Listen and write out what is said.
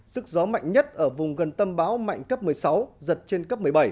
sức gió mạnh nhất ở vùng gần tâm bão mạnh cấp một mươi sáu giật trên cấp một mươi bảy